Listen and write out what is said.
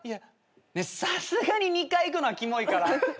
さすがに２回行くのはキモいから。